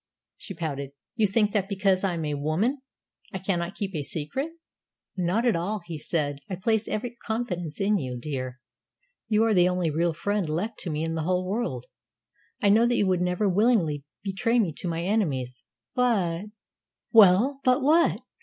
she pouted. "You think that because I'm a woman I cannot keep a secret." "Not at all," he said. "I place every confidence in you, dear. You are the only real friend left to me in the whole world. I know that you would never willingly betray me to my enemies; but " "Well, but what?"